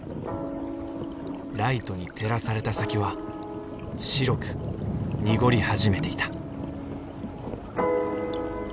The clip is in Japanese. ライトに照らされた先は白く濁り始めていた。